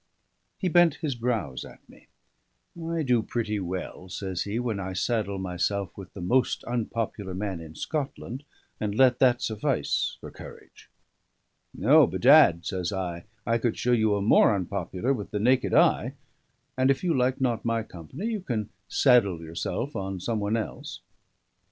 He bent his brows at me. "I do pretty well," says he, "when I saddle myself with the most unpopular man in Scotland, and let that suffice for courage." "O, bedad," says I, "I could show you a more unpopular with the naked eye. And if you like not my company, you can 'saddle' yourself on some one else."